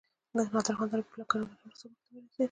نادر خان تر حبيب الله کلکاني وروسته واک ته ورسيد.